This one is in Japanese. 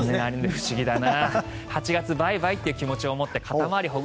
不思議だな。